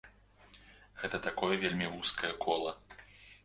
Гэта такое вельмі вузкае кола.